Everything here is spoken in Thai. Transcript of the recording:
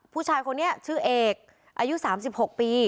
ผู้ชายคนนี้ชื่อเอกอายุ๓๖ปี